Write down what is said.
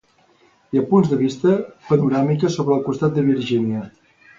Hi ha punts de vista panoràmica sobre el costat de Virgínia.